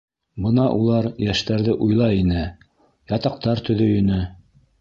Бына улар йәштәрҙе уйлай ине, ятаҡтар төҙөй ине.